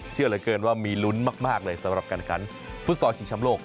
เชื่อเหลือเกินว่ามีลุ้นมากเลยสำหรับการขันฟุตซอลชิงชำโลก